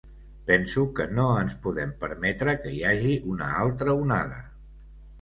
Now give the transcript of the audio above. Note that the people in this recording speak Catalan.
Penso que no ens podem permetre que hi hagi una altra onada.